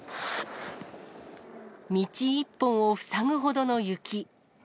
道１本を塞ぐほどの雪。